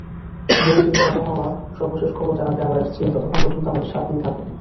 বিরতির পর আবহাওয়ার সর্বশেষ খবর জানাতে আবার আসছি ততক্ষণ পর্যন্ত আমাদের সাথেই থাকুন।